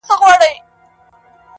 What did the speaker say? زما له انګړه جنازې در پاڅي!.